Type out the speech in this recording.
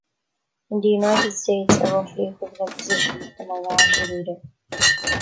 In the United States, a roughly equivalent position is the minority leader.